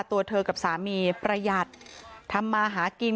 ตัวเธอกับสามีประหยัดทำมาหากิน